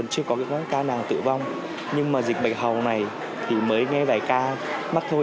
ca nàng tử vong nhưng mà dịch bạch hầu này thì mới nghe vài ca mắc thôi